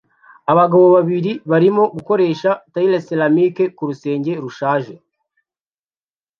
Abagabo babiri barimo gukoresha tile ceramic kurusenge rushaje